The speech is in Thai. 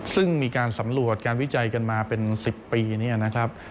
ซึ่งมีการสำรวจการวิจัยกันมาเป็น๑๐ปีเนี่ยนะครับ